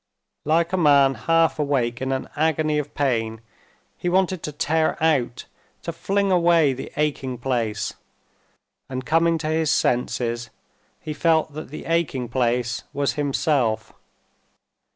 Like a man half awake in an agony of pain, he wanted to tear out, to fling away the aching place, and coming to his senses, he felt that the aching place was himself.